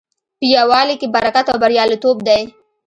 په یووالي کې برکت او بریالیتوب دی.